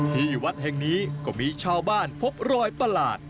ที่วัดแห่งนี้ก็มีชาวบ้านพบรอยประหลาด